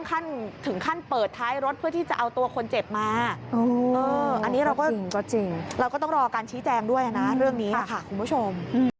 อันนี้เราก็ต้องรอการชี้แจงด้วยนะเรื่องนี้ค่ะคุณผู้ชม